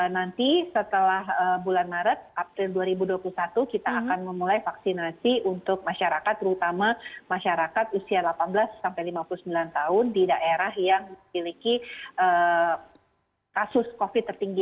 nanti setelah bulan maret april dua ribu dua puluh satu kita akan memulai vaksinasi untuk masyarakat terutama masyarakat usia delapan belas sampai lima puluh sembilan tahun di daerah yang memiliki kasus covid tertinggi